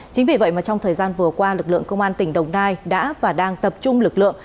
chính vì vậy mà trong thời gian vừa qua lực lượng công an tỉnh đồng nai đã và đang tập trung lực lượng